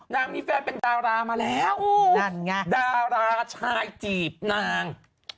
นางมีแฟนเป็นดารามาแล้วนั่นไงดาราชายจีบนาง